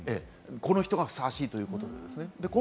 この人がふさわしいということですね。